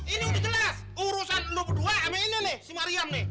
ini udah jelas urusan lu berdua sama ini nih si mariam nih